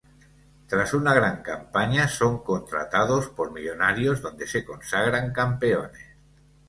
Tras una gran campaña son contratados por Millonarios donde se consagran campeones.